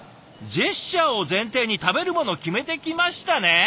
ジェスチャーを前提に食べるものを決めてきましたね？